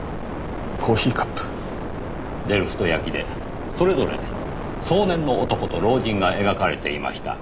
デルフト焼きでそれぞれ壮年の男と老人が描かれていました。